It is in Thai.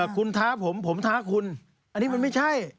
คุณท้าผมผมท้าคุณอันนี้มันไม่ใช่